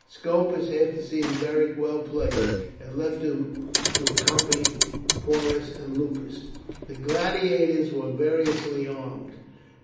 Scopus, after seeing Beric well placed, had left him to accompany Porus and Lupus. The gladiators were variously armed.